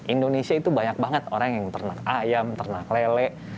indonesia itu banyak banget orang yang ternak ayam ternak lele